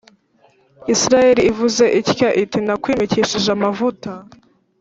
Isirayeli ivuze itya iti Nakwimikishije amavuta